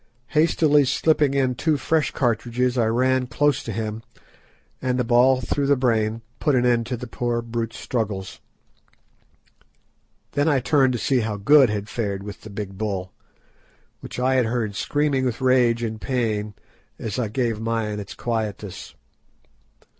Hastily slipping in two fresh cartridges I ran close up to him, and a ball through the brain put an end to the poor brute's struggles. Then I turned to see how Good had fared with the big bull, which I had heard screaming with rage and pain as I gave mine its quietus.